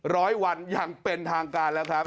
ร้อยวันอย่างเป็นทางการแล้วครับ